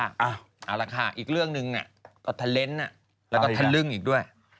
เอาล่ะค่ะอีกเรื่องหนึ่งก็ทะเลนส์แล้วก็ทะลึ่งอีกด้วย